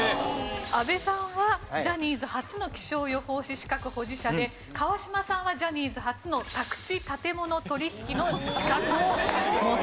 阿部さんはジャニーズ初の気象予報士資格保持者で川島さんはジャニーズ初の宅地建物取引の資格を持っています。